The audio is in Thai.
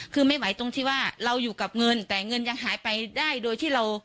คือไม่ไหวตรงที่ว่าเราอยู่กับเงินแต่เงินยังหายไปได้โดยที่เรา